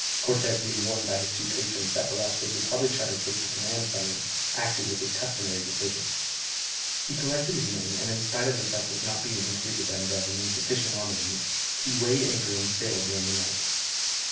Cortès being warned by his two patrons that Velasquez would probably try to take the command from him, acted with his customary decision; he collected his men and, in spite of the vessels not being completed and of an insufficient armament, he weighed anchor and sailed during the night.